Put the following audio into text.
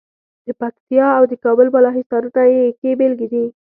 د پکتیا او د کابل بالا حصارونه یې ښې بېلګې دي.